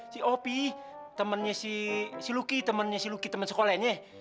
si opi temennya si luki temennya si luki temen sekolahnya